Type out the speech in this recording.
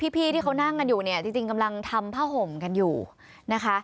พี่ที่เขานั่งกันอยู่เนี่ยจริงกำลังทำผ้าห่มกันอยู่นะคะ